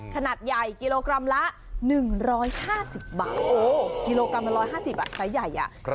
ขนาดใหญ่กิโลกรัมละ๑๕๐บาท